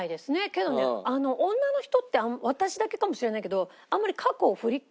けどね女の人って私だけかもしれないけど男の方があるね。